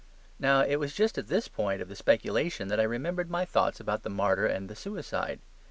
Now, it was just at this point of the speculation that I remembered my thoughts about the martyr and the suicide.